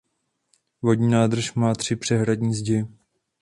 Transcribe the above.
Vodní nádrž má tři přehradní zdi.